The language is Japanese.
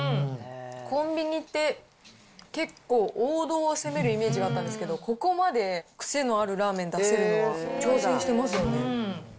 コンビニって、結構、王道を攻めるイメージがあったんですけど、ここまで癖のあるラーメン出せるのは、挑戦してますよね。